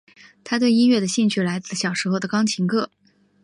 她对音乐的兴趣来自小时候的钢琴课。